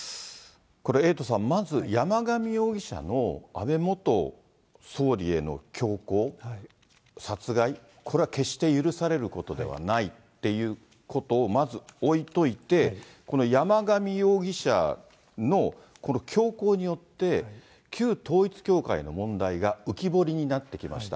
これ、エイトさん、まず山上容疑者の安倍元総理への凶行、殺害、これは決して許されることではないっていうことをまず置いといて、この山上容疑者のこの凶行によって、旧統一教会の問題が浮き彫りになってきました。